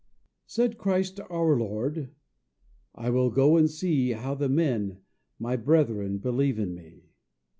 Said Christ our Lord, "I will go and see How the men, my brethren, believe in me."